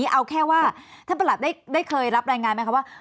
เอาแค่ว่าท่านประหลัดได้เคยรับรายงานไหมคะว่า